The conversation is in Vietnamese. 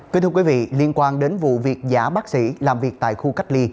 kính thưa quý vị liên quan đến vụ việc giả bác sĩ làm việc tại khu cách ly